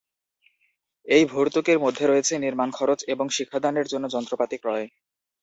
এই ভর্তুকির মধ্যে রয়েছে নির্মাণ খরচ এবং শিক্ষাদানের জন্য যন্ত্রপাতি ক্রয়।